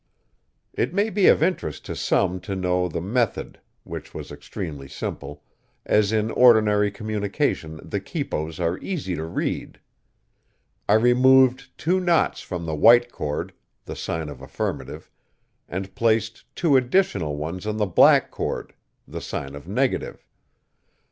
It may be of interest to some to know the method, which was extremely simple, as in ordinary communications the quipos are easy to read. I removed two knots from the white cord the sign of affirmative and placed two additional ones on the black cord the sign of negative.